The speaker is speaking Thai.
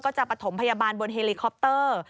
จะประถมพยาบาลบนเฮลิคอปเตอร์